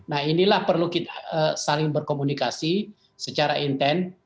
nah inilah perlu kita saling berkomunikasi secara intent